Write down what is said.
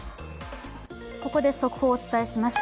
ここで速報をお伝えします。